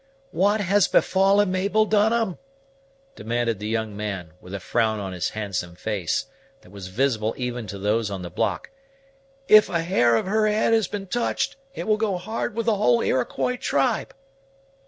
"What has befallen Mabel Dunham?" demanded the young man, with a frown on his handsome face, that was visible even to those on the block. "If a hair of her head has been touched, it will go hard with the whole Iroquois tribe."